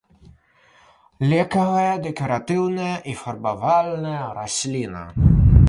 Лекавая, дэкаратыўная і фарбавальная расліна.